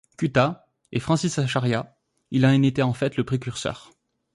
Cuttat, et Francis Acharya, il en était en fait le précurseur.